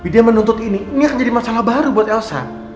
dia menuntut ini ini akan jadi masalah baru buat elsa